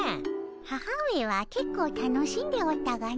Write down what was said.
母上はけっこう楽しんでおったがの。